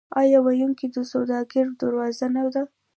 آیا وینکوور د سوداګرۍ دروازه نه ده؟